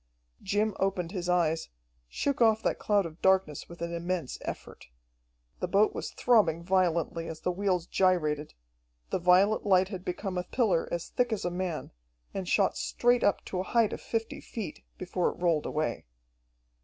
Jim opened his eyes, shook off that cloud of darkness with an immense effort. The boat was throbbing violently as the wheels gyrated, the violet light had become a pillar as thick as a man, and shot straight up to a height of fifty feet, before it rolled away.